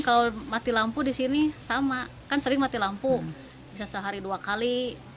kalau mati lampu di sini sama kan sering mati lampu bisa sehari dua kali